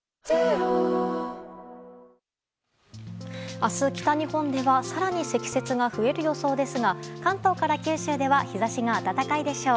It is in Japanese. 明日、北日本では更に積雪が増える予想ですが関東から九州は日差しが暖かいでしょう。